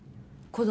子供！？